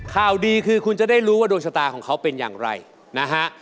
ข่าวดีคือคุณจะได้รู้ว่าดวงชะตาของเขาเป็นอย่างไรนะฮะ